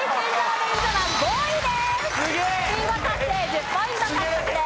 ビンゴ達成１０ポイント獲得です。